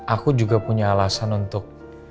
aku juga punya alasan untuk